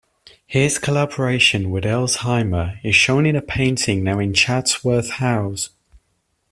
His collaboration with Elsheimer is shown in a painting now in Chatsworth House.